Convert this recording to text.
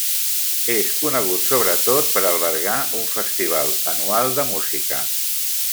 És conegut sobretot per albergar un festival anual de música.